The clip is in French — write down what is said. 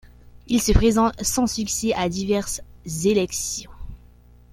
Il se présente sans succès à diverses élections.